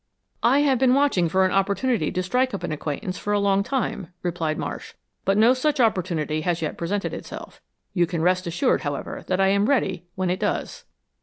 "I have been watching for an opportunity to strike up an acquaintance for a long time," replied Marsh, "but no such opportunity has as yet presented itself. You can rest assured, however, that I am ready when it does."